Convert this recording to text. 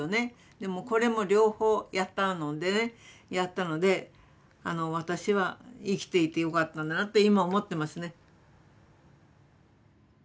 でもこれも両方やったのでねやったので私は生きていてよかったなと今思ってますね。